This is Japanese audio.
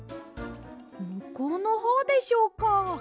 むこうのほうでしょうか？